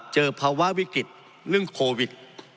เจอภาวะวิกฤตเรื่องโควิด